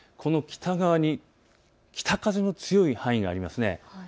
北側に北風の強い範囲があります。